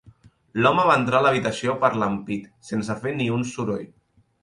L'home va entrar a l'habitació per l'ampit sense fer ni un soroll.